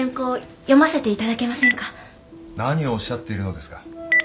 何をおっしゃっているのですか。